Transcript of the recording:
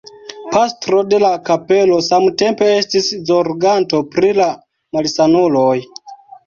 Pastro de la kapelo samtempe estis zorganto pri la malsanuloj.